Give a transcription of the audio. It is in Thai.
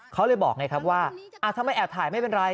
เขาเลยบอกไงครับว่าทำไมแอบถ่ายไม่เป็นไร